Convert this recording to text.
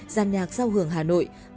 giàn nhạc sao hưởng hà nội